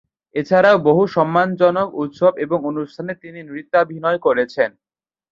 এছাড়াও বহু সম্মানজনক উৎসব এবং অনুষ্ঠানে তিনি নৃত্যাভিনয় করেছেন।